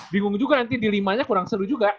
bingung juga nanti di limanya kurang seru juga